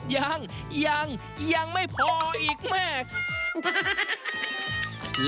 ยังยังยังไม่พออีกแม่